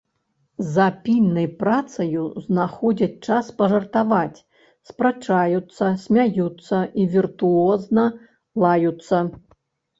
За пільнай працаю знаходзяць час пажартаваць, спрачаюцца, смяюцца і віртуозна лаюцца.